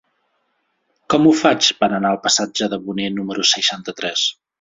Com ho faig per anar al passatge de Boné número seixanta-tres?